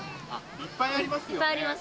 いっぱいあります。